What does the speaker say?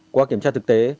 qua kiểm tra thực tế